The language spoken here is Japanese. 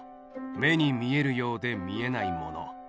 目に見えるようで見えないもの。